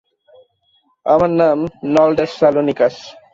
আমার নাম নন্ডাস সালোনিকাস।